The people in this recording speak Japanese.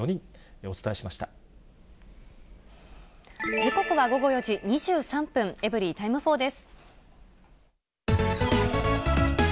時刻は午後４時２３分、エブリィタイム４です。